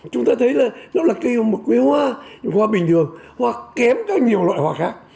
chúng ta thấy là nó là cây hoa bình thường hoặc kém các nhiều loại hoa khác